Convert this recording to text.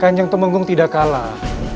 kanjeng temenggu tidak kalah